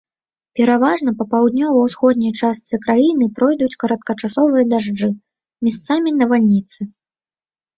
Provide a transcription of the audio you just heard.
Пераважна па паўднёва-ўсходняй частцы краіны пройдуць кароткачасовыя дажджы, месцамі навальніцы.